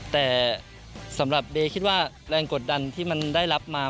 แต่สำหรับเบย์คิดว่าแรงกดดันที่มันได้รับมา